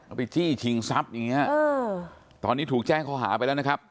ไปจี้ชิงทรัพย์อย่างนี้ตอนนี้ถูกแจ้งข้อหาไปแล้วนะครับ